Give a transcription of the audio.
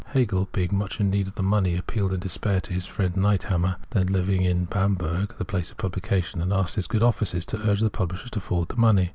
Hegel, being much in need of the money, appealed in despair to his friend Niethammer, then living in Bamberg (the place of publication), and asked his good offices to urge the publisher to forward the money.